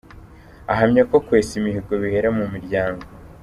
Ahamya ko kwesa imihigo bihera mu miryango.